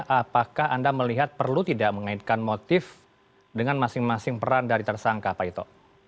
apakah anda melihat perlu tidak mengaitkan motif dengan masing masing peran dari tersangka pak ito